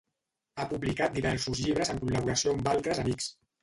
Ha publicat diversos llibres en col·laboració amb altres amics.